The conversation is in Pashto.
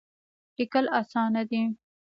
لیکل اسانه دی.